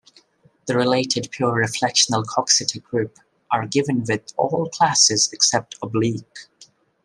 The related pure reflectional Coxeter group are given with all classes except oblique.